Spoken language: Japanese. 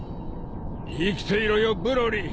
生きていろよブロリー。